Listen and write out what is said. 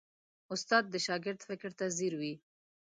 استاد د شاګرد فکر ته ځیر وي.